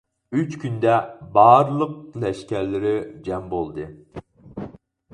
ئۈچ كۈندە بارلىق لەشكەرلىرى جەم بولدى.